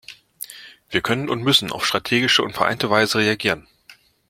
Wir können und müssen auf strategische und vereinte Weise reagieren.